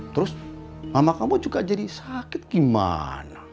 terus mama kamu juga jadi sakit gimana